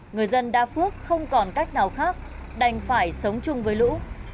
người dân đa phước không còn cách nào khác đành phải sống chung với lũ